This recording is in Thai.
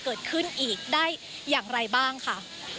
เกิดขึ้นอีกได้อย่างไรบ้างค่ะ